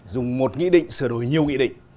dùng một nghị định sửa đổi nhiều nghị định